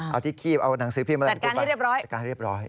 เอาที่คีบเอานักศึกพี่มลัน